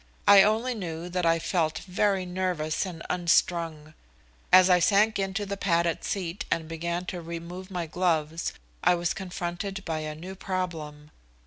I only knew that I felt very nervous and unstrung. As I sank into the padded seat and began to remove my gloves I was confronted by a new problem.